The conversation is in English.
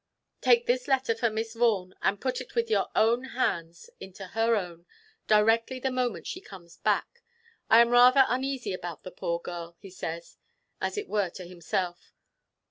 Take this letter for Miss Vaughan, and put it with your own hands into her own, directly the moment she comes back. I am rather uneasy about the poor girl,' he says, as it were to himself.